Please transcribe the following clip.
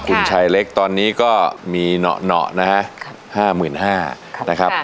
คุณชายเล็กตอนนี้ก็มีเหนาะนะฮะ๕๕๐๐นะครับ